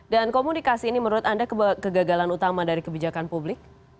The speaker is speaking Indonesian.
dan komunikasi ini menurut anda kegagalan utama dari kebijakan publik